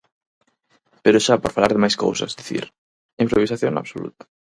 Pero xa por falar de máis cousas, dicir: a improvisación absoluta.